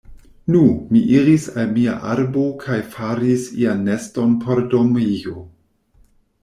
Nu, mi iris al mia arbo kaj faris ian neston por dormejo.